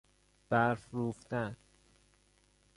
برف روفتن